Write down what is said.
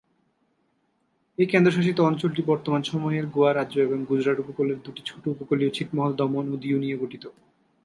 এই কেন্দ্রশাসিত অঞ্চলটি বর্তমান সময়ের গোয়া রাজ্য এবং গুজরাট উপকূলের দুটি ছোট উপকূলীয় ছিটমহল দমন ও দিউ নিয়ে গঠিত।